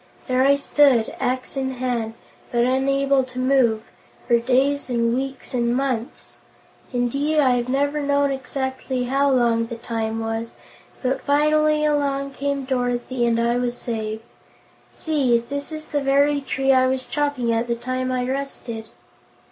There I stood, axe in hand, but unable to move, for days and weeks and months! Indeed, I have never known exactly how long the time was; but finally along came Dorothy and I was saved. See! This is the very tree I was chopping at the time I rusted."